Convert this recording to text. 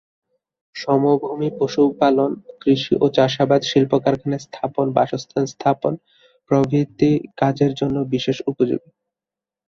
সমভূমি পশুপালন, কৃষি ও চাষাবাদ শিল্পকারখানা স্থাপন, বাসস্থান স্থাপন প্রভৃতি কাজার জন্য বিশেষ উপযোগী।